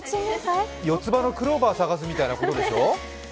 四つ葉のクローバー探すみたいなことでしょう？